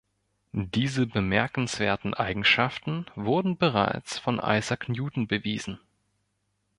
Diese bemerkenswerten Eigenschaften wurden bereits von Isaac Newton bewiesen.